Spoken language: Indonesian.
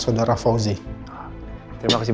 saudara fauzi terima kasih